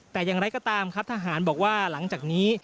แต่อย่างไรก็ตามครับทหารบอกว่าหลังจากนี้